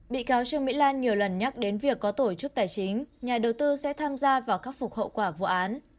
bị cáo trương mỹ lan nhiều lần nhắc đến việc có tổ chức tài chính nhà đầu tư sẽ tham gia vào khắc phục hậu quả vụ án